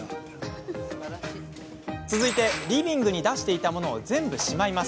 続いてリビングに出していたものを全部しまいます。